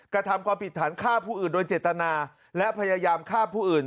กระทำความผิดฐานฆ่าผู้อื่นโดยเจตนาและพยายามฆ่าผู้อื่น